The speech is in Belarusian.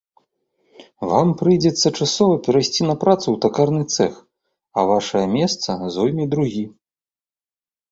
Вам прыйдзецца часова перайсці на працу ў такарны цэх, а вашае месца зойме другі.